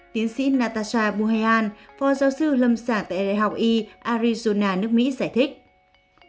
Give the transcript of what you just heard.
tiến sĩ natasha buheyan phó giáo sư lâm sản tại đại học y arizona nước mỹ giải thích